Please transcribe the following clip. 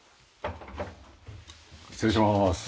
失礼します。